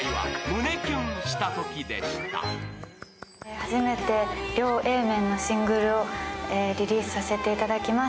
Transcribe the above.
初めて両Ａ面のシングルをリリースさせていただきます。